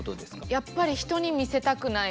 やっぱり人に見せたくない。